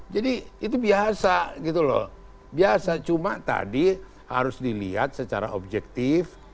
jadi itu biasa gitu loh biasa cuma tadi harus dilihat secara objektif